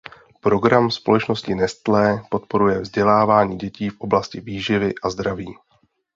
Program společnosti Nestlé podporuje vzdělávání dětí v oblasti výživy a zdraví.